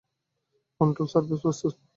Control surface, প্রস্তুত।